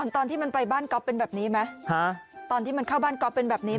ตอนที่มันไปบ้านก๊อฟเป็นแบบนี้ไหมตอนที่มันเข้าบ้านก๊อฟเป็นแบบนี้